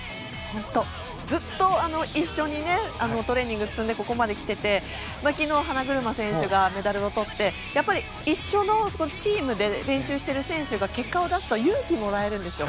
ずっと一緒にトレーニングを積んでここまできてて昨日、花車選手がメダルをとってやっぱり、一緒のチームで練習している選手が結果を出すと勇気をもらえるんですよ。